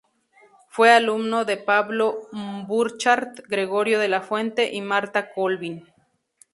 Fue alumno de Pablo Burchard, Gregorio de la Fuente y Marta Colvin.